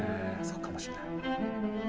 そうかもしれない。